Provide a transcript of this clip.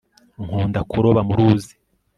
nkunda kuroba mu ruzi